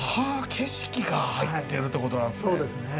景色が入ってるってことなんですね。